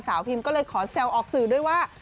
พิมก็เลยขอแซวออกสื่อด้วยว่า